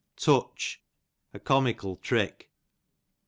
Tutoh, a comical trick.